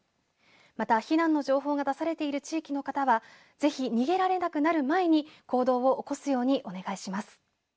また、避難の情報が出されている地域の方はぜひ逃げられなくなる前に行動を起こすようにお願いします。